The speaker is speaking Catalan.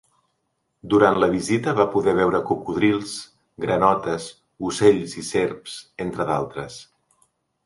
Durant la visita va poder veure cocodrils, granotes, ocells i serps, entre d’altres.